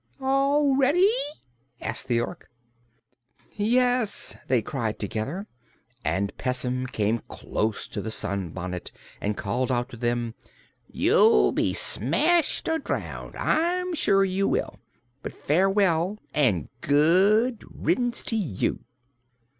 "All ready?" asked the Ork. "Yes!" they cried together, and Pessim came close to the sunbonnet and called out to them: "You'll be smashed or drowned, I'm sure you will! But farewell, and good riddance to you."